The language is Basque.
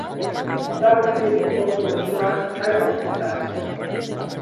Hondarribiko Portu auzoan jaio eta hazi zen.